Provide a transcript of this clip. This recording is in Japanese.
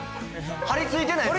張り付いてない？